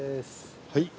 はい。